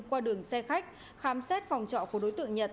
qua đường xe khách khám xét phòng trọ của đối tượng nhật